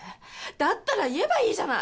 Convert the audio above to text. だったら言えばいいじゃない。